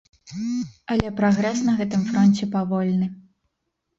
Але прагрэс на гэтым фронце павольны.